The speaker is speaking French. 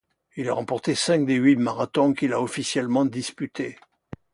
Il a remporté cinq des huit marathons qu'il a officiellement disputé.